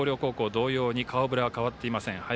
同様に顔ぶれは変わっていません。